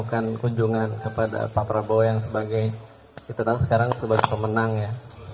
melakukan kunjungan kepada pak prabowo yang sebagai kita tahu sekarang sebagai pemenang ya